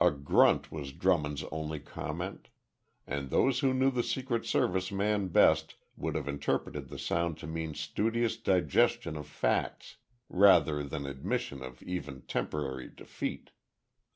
A grunt was Drummond's only comment and those who knew the Secret Service man best would have interpreted the sound to mean studious digestion of facts, rather than admission of even temporary defeat.